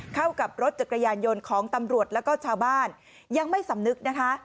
เข้ากับรถจักรยานยนต์ของตำรวจแล้วก็ชาวบ้านยังไม่สำนึกนะคะ